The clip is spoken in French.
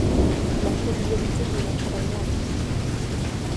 La présidialité lui est naturellement acquise.